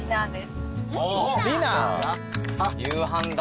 夕飯だ。